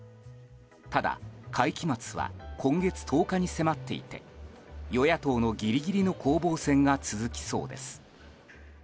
ただ、会期末は今月１０日に迫っていて与野党のギリギリの攻防戦が続きそうです。